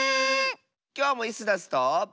きょうもイスダスと。